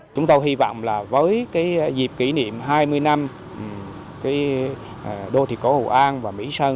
chúng tôi hy vọng là với dịp kỷ niệm hai mươi năm đô thị cổ hội an và mỹ sơn